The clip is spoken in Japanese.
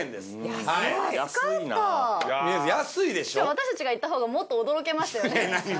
私たちが行った方がもっと驚けましたよね。